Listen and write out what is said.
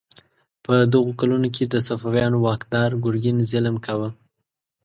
په دغو کلونو کې د صفویانو واکدار ګرګین ظلم کاوه.